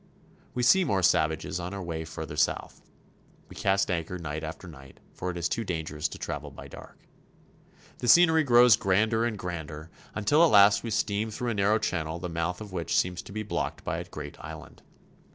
We see more savages on our way farther south. We cast anchor night after night, for it is too dangerous to travel by dark. The scenery grows grander and grander, STRAIT OF MAGELLAN. 157 until at last we steam through a narrow channel the mouth of which seems to be blocked by a great island.